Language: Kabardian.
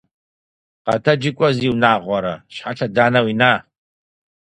Къэтэджи кӏуэ, зи унагъуэрэ. Щхьэ лъэданэ уина?